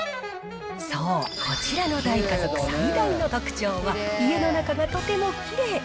そう、こちらの大家族最大の特徴は、家の中がとてもきれい。